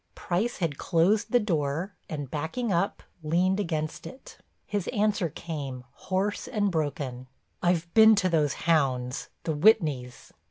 Price had closed the door and backing up, leaned against it. His answer came, hoarse and broken: "I've been to those hounds, the Whitneys."